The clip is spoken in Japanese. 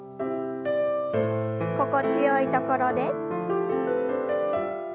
心地よいところで。